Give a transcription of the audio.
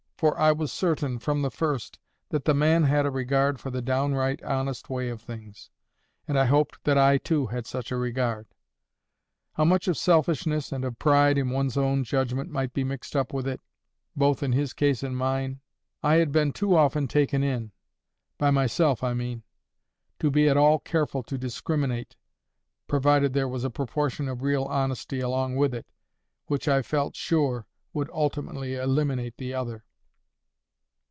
For I was certain, from the first, that the man had a regard for the downright, honest way of things, and I hoped that I too had such a regard. How much of selfishness and of pride in one's own judgment might be mixed up with it, both in his case and mine, I had been too often taken in—by myself, I mean—to be at all careful to discriminate, provided there was a proportion of real honesty along with it, which, I felt sure, would ultimately eliminate the other.